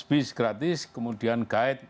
bis gratis kemudian guide